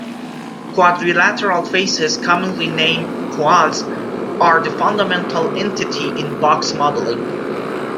Quadrilateral faces, commonly named "quads", are the fundamental entity in box modeling.